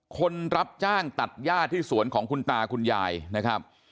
คนรับจ้างตัดย่าที่สวนของคุณตาคุณยายนะครับ